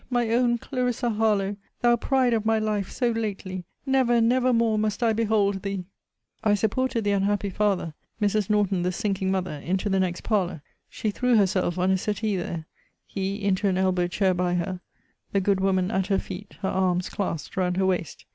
my own Clarissa Harlowe! thou pride of my life so lately! never, never more must I behold thee! I supported the unhappy father, Mrs. Norton the sinking mother, into the next parlour. She threw herself on a settee there; he into an elbow chair by her the good woman at her feet, her arms clasped round her waist.